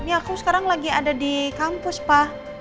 ya aku sekarang lagi ada di kampus pa